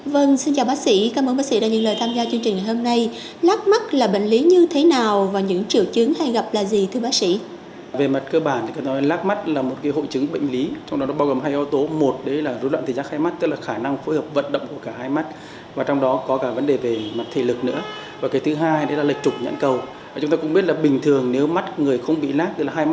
vâng xin chào bác sĩ cảm ơn bác sĩ đã nhận lời tham gia chương trình ngày hôm nay